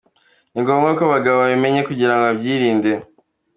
Ni ngombwa ko abagabo babimenya kugirango babyirinde.